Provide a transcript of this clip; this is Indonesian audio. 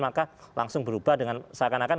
maka langsung berubah dengan seakan akan